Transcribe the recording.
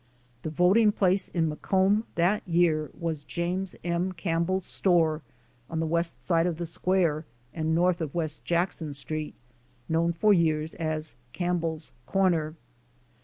The voting place in Macomb that year was James M. CampbelPs store on the west side of the square and north of West Jackson street, known for years as CampbelPs Comer.